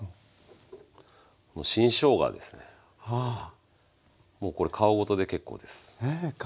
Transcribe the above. もうこれ皮ごとで結構です。